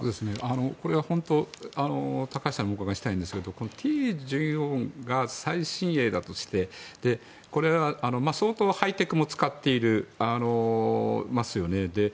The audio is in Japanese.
これは本当高橋さんにお伺いしたいんですがＴ１４が最新鋭だとして相当ハイテクも使ってますよね。